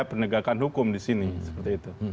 penegakan hukum di sini seperti itu